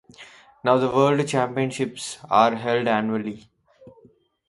Now the World Championships are held annually.